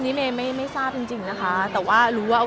เพราะว่าภาพหลายอย่างที่เราเห็นไปเนอะ